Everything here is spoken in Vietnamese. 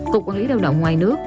cục quản lý lao động ngoài nước